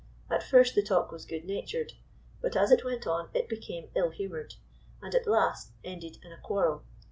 At first the talk was good natured ; but as it went on it became ill humored, and at last ended in a quarrel.